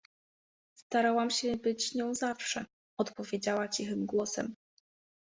— Starałam się być nią zawsze — odpowiedziała cichym głosem.